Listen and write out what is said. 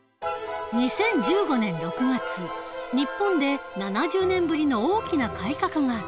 ２０１５年６月日本で７０年ぶりの大きな改革があった。